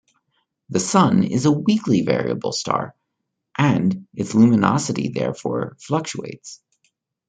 The Sun is a weakly variable star, and its luminosity therefore fluctuates.